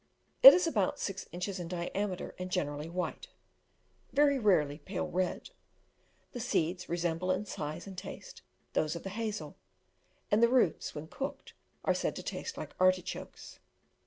It is about six inches in diameter, and generally white very rarely pale red. The seeds resemble in size and taste those of the hazel; and the roots, when cooked, are said to taste like artichokes.